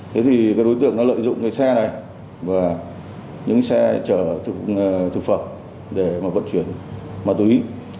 thế thì đối tượng lợi dụng xe này và những xe chở thực phẩm để vận chuyển ma túy